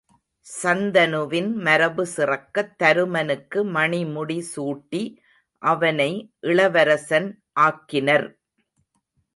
சந்தனுவின் மரபு சிறக்கத் தருமனுக்கு மணி முடி சூட்டி அவனை இளவரசன் ஆக்கினர்.